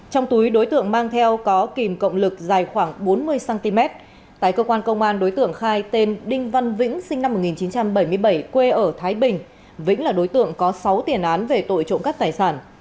trong túi đối tượng mang theo có kìm cộng lực dài khoảng bốn mươi cm tại cơ quan công an đối tượng khai tên đinh văn vĩnh sinh năm một nghìn chín trăm bảy mươi bảy quê ở thái bình vĩnh là đối tượng có sáu tiền án về tội trộm cắp tài sản